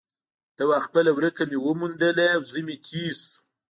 ته وا خپله ورکه مې وموندله او زړه مې تیز شو.